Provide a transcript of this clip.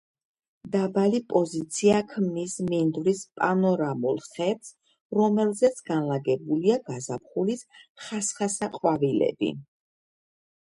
დაბალი პოზიცია ქმნის მინდვრის პანორამულ ხედს რომელზეც განლაგებულია გაზაფხულის ხასხასა ყვავილები.